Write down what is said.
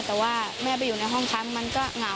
แต่ว่าแม่ไปอยู่ในห้องชั้นมันก็เหงา